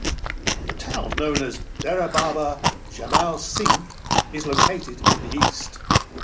The town known as Dera Baba Jaimal Singh is located in the east.